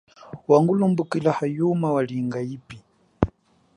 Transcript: Wangulumbukila hayuma walinga yipi.